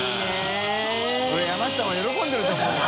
これ山下も喜んでると思うわ。）